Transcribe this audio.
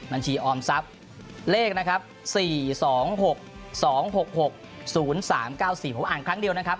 บัญชีออมทรัพย์เลข๔๒๖๒๖๖๐๓๙๔๖อ่านครั้งเดียวนะครับ